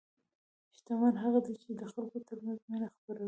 شتمن هغه دی چې د خلکو ترمنځ مینه خپروي.